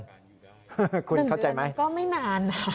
คุณเข้าใจไหมคุณเข้าใจไหม๑เดือนก็ไม่นานครับ